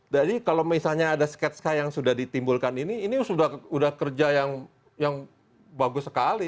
jadi kalau misalnya ada sketsa yang sudah ditimbulkan ini ini sudah kerja yang bagus sekali